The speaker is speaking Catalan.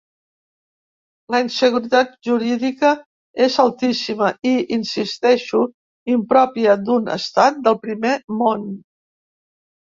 La inseguretat jurídica és altíssima i, insisteixo, impròpia d’un estat del primer món.